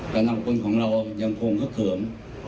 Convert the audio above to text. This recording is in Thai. กำลังคนของเรายังคงเขือม